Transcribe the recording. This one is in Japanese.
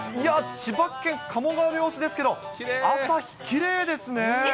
千葉県鴨川の様子ですけど、朝日、きれいですね。。